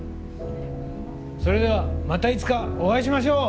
それではまたいつかお会いしましょう！